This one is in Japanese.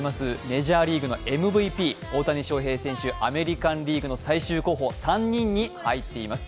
メジャーリーグのＭＶＰ、大谷翔平選手、アメリカン・リーグの最終候補３人に入っています。